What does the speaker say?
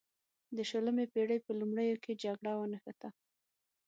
د شلمې پیړۍ په لومړیو کې جګړه ونښته.